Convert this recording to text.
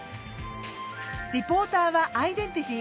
リポーターはアイデンティティ。